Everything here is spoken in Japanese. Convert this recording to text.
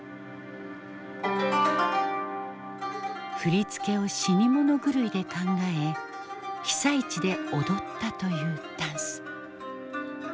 振り付けを死に物狂いで考え被災地で踊ったというダンス。